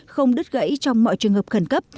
không đứt gãy trong mọi trường hợp khẩn cấp